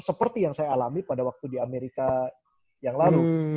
seperti yang saya alami pada waktu di amerika yang lalu